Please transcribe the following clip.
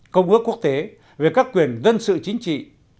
công ước quốc tế về các quyền dân sự chính trị